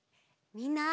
みんな。